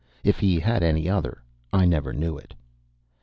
If he had any other, I never knew it.